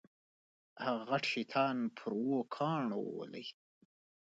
هغه غټ شیطان پر اوو کاڼو وولې.